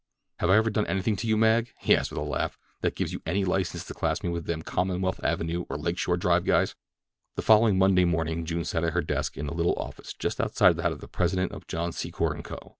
"Have I ever done anything to you, Mag," he asked with a laugh, "that gives you any license to class me with them Commonwealth Avenue or Lake Shore Drive guys?" The following Monday morning June sat at her desk in the little office just outside that of the president of John Secor & Co.